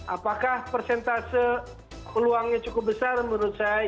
apakah persentase peluangnya cukup besar menurut saya